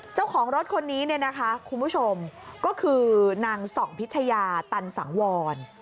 เจ้าของรถคนนี้เนี่ยนะคะคุณผู้ชมก็คือนางส่องพิชยาตันสังวร